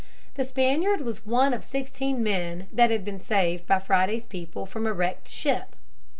The Spaniard was one of sixteen men that had been saved by Friday's people from a wrecked ship.